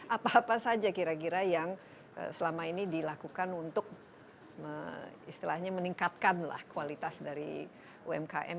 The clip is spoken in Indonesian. apa apa saja kira kira yang selama ini dilakukan untuk istilahnya meningkatkan kualitas dari umkm